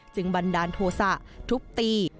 บันดาลโทษะทุบตี